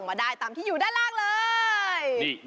คาถาที่สำหรับคุณ